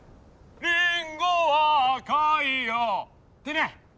「リンゴは紅いよ」ってね！